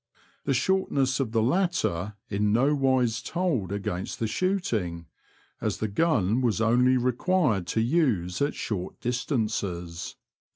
The shortness of the latter in nowise told against the shooting, as the gun was only required to use at short distances.